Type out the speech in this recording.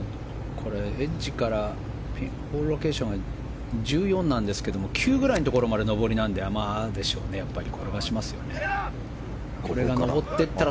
エッジからポールロケーションが１４なんですけど９くらいのところまで上りなので転がしますよね。